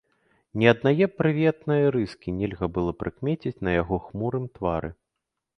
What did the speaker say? Ні аднае прыветнае рыскі нельга было прыкмеціць на яго хмурым твары.